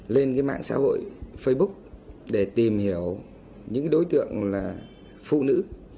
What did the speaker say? lên cái mạng xã hội facebook để tìm hiểu những đối tượng là phụ nữ